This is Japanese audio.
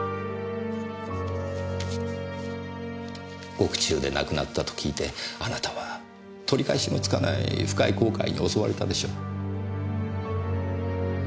獄中で亡くなったと聞いてあなたは取り返しのつかない深い後悔に襲われたでしょう。